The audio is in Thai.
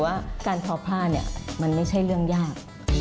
ว่าการทอผ้าเนี่ยมันไม่ใช่เรื่องยาก